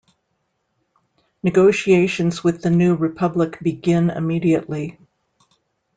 Negotiations with the New Republic begin immediately.